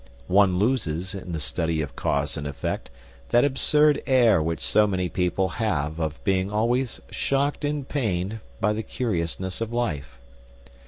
One loses, in the study of cause and effect, that absurd air which so many people have of being always shocked and pained by the curiousness of life.